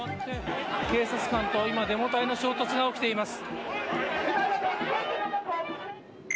警察官と今デモ隊の衝突が起きています。